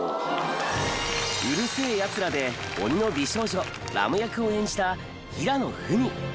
『うる星やつら』で鬼の美少女ラム役を演じた平野文。